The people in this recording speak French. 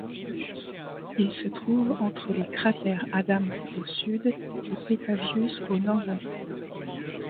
Il se trouve entre les cratères Adams au Sud et Petavius au Nord-Ouest.